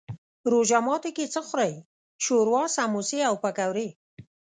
روژه ماتی کی څه خورئ؟ شوروا، سموسي او پکوړي